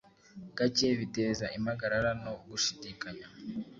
gake biteza impagarara no gushidikanya.